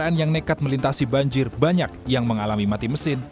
sehingga ketika hujan air dapat mengalir dengan baik